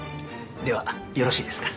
ではよろしいですか？